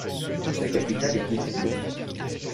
Sa capitale est Kitgum.